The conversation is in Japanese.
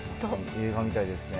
映画みたいですね。